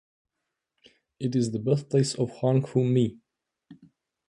It is the birthplace of Huangfu Mi.